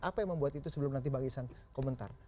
apa yang membuat itu sebelum nanti bang isan komentar